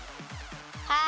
はい！